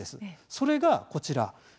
それが、こちら。